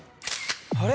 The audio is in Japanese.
あれ？